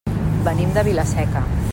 Venim de Vila-seca.